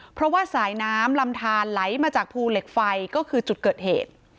เพราะว่าสายน้ำลำทานไหลมาจากภูเหล็กไฟก็คือจุดเกิดเหตุ